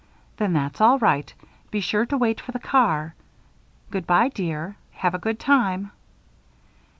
"Then that's all right. Be sure to wait for the car. Good by, dear. Have a good time."